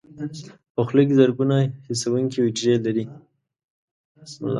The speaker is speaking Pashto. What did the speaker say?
په خوله کې زرګونه حسونکي حجرې لري.